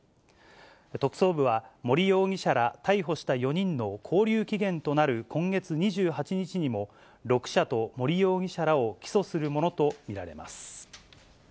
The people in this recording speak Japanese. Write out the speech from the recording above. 特捜部は森容疑者ら逮捕した４人の勾留期限となる今月２８日にも、６社と森容疑者らを起訴するものと見られます。